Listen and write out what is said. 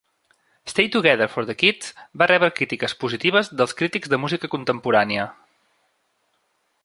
"Stay Together for the Kids" va rebre crítiques positives dels crítics de música contemporània.